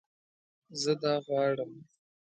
زه دا غواړم